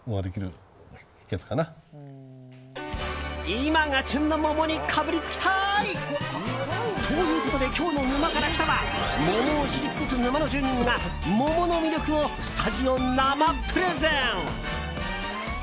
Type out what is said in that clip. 今が旬の桃にかぶりつきたい！ということで今日の「沼から来た。」は桃を知り尽くす沼の住人が桃の魅力をスタジオ生プレゼン。